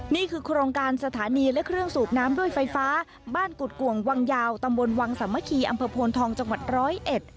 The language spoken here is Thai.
นี่คือโครงการสถานีและเครื่องสูบน้ำด้วยไฟฟ้าบ้านกุฎกวงวังยาวตำบลวังสามะคีอำเภอโพนทองจังหวัดร้อยเอ็ด